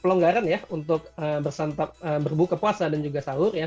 pelonggaran ya untuk bersantap berbuka puasa dan juga sahur ya